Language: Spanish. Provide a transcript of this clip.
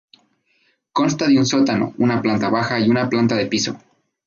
Consta de un sótano, una planta baja y una planta de piso.